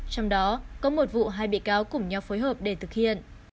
trong đó có một vụ hai bị cáo cùng nhau phối hợp để thực hiện